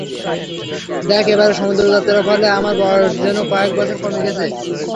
দেখ, এবারের সমুদ্রযাত্রার ফলে আমার বয়স যেন কয়েক বছর কমে গেছে।